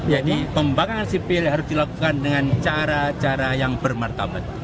jadi pembangkangan sipil harus dilakukan dengan cara cara yang bermartabat